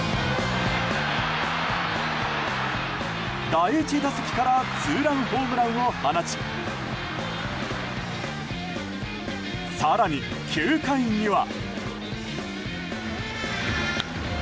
第１打席からツーランホームランを放ち更に、９回には。